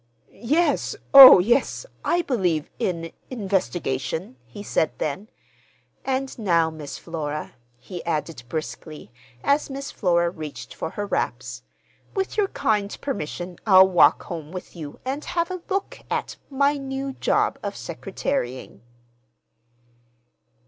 "Yes, oh, yes; I believe in—investigation," he said then. "And now, Miss Flora," he added briskly, as Miss Flora reached for her wraps, "with your kind permission I'll walk home with you and have a look at—my new job of secretarying."